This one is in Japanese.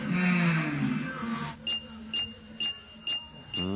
うん。